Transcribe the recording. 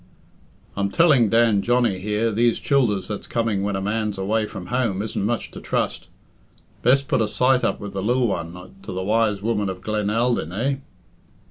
"I'm telling Dan Johnny here these childers that's coming when a man's away from home isn't much to trust. Best put a sight up with the lil one to the wise woman of Glen Aldyn, eh?